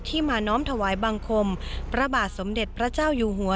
มาน้อมถวายบังคมพระบาทสมเด็จพระเจ้าอยู่หัว